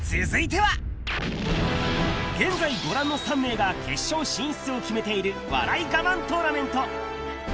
続いては現在、ご覧の３名が、決勝進出決めている笑いガマントーナメント。